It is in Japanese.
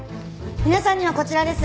皆さんにはこちらです。